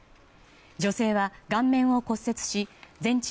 女性は顔面を骨折し全治